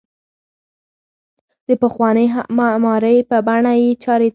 د پخوانۍ معمارۍ په بڼه یې چارې تر